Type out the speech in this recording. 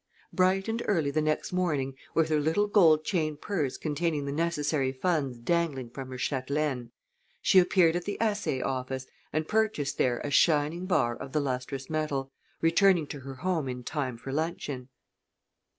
Bright and early the next morning, with her little gold chain purse containing the necessary funds dangling from her chatelaine, she appeared at the assay office, and purchased there a shining bar of the lustrous metal, returning to her home in time for luncheon.